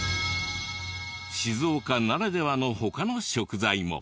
静岡ならではの他の食材も。